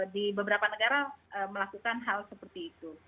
di beberapa negara melakukan hal seperti itu